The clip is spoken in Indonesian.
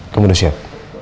kamu udah siap